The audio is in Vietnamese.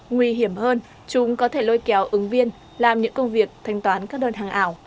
nguy hiểm hơn chúng có thể lôi kéo ứng viên làm những công việc thanh toán các đơn hàng ảo